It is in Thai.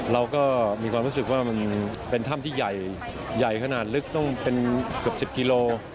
เราก็มีความรู้สึกว่ามันเป็นถ้ำที่ใหญ่ขนาดลึกต้องเป็นเกือบ๑๐กิโล